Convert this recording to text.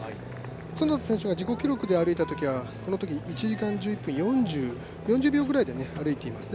園田選手が自己記録で歩いたときはこのとき１時間１１分４０秒ぐらいで歩いています。